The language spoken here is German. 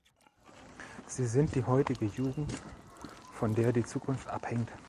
Sie sind die heutige Jugend, von der die Zukunft abhängt.